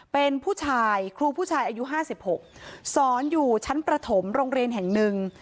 เป็นผู้ชายครูผู้ชายอายุ๕๖สอนอยู่ชั้นประถมโรงเรียนแห่งหนึ่ง